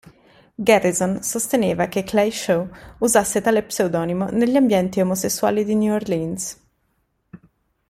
Garrison sosteneva che Clay Shaw usasse tale pseudonimo negli ambienti omosessuali di New Orleans.